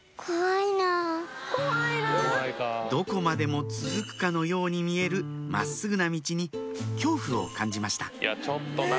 どこまでも続くかのように見える真っすぐな道に恐怖を感じました